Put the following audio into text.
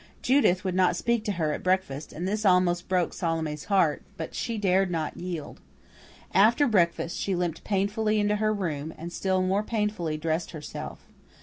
Judith would not speak to her at breakfast, and this almost broke Salome's heart; but she dared not yield. After breakfast, she limped painfully into her room, and still more painfully dressed herself.